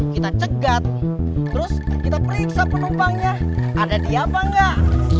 kita cegat terus kita periksa penumpangnya ada di apa enggak